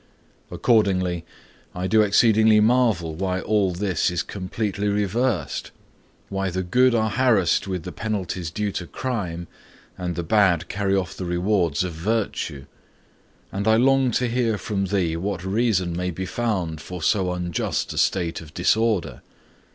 Accordingly, I do exceedingly marvel why all this is completely reversed why the good are harassed with the penalties due to crime, and the bad carry off the rewards of virtue; and I long to hear from thee what reason may be found for so unjust a state of disorder.